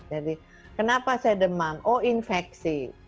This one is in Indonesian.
jadi kenapa saya demam oh infeksi